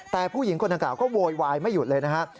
แต่ผู้หญิงคนอาการก็โวยวายไม่หยุดเลยนะครับ